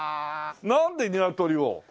なんでニワトリを？